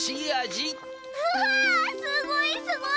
うわすごいすごい！